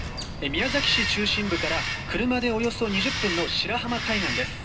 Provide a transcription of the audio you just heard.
宮崎市中心部から車でおよそ２０分の白浜海岸です。